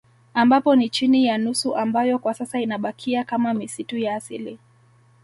Ambapo ni chini ya nusu ambayo kwa sasa inabakia kama misitu ya asili